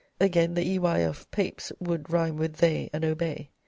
Again, the 'ey' of Peyps would rhyme with they and obey.